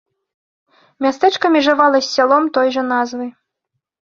Мястэчка межавала з сялом той жа назвы.